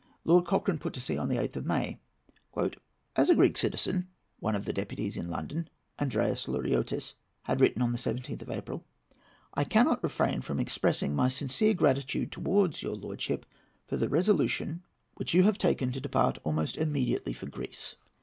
Lord Cochrane put to sea on the 8th of May. "As a Greek citizen," one of the deputies in London, Andreas Luriottis, had written on the 17th of April, "I cannot refrain from expressing my sincere gratitude towards your lordship for the resolution which you have taken to depart almost immediately for Greece.